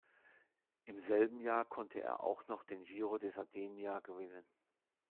Im selben Jahr konnte er auch noch den Giro di Sardegna gewinnen.